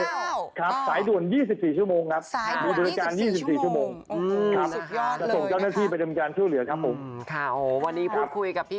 ครับมือ๙๙ครับมือ๙๙คือเบอร์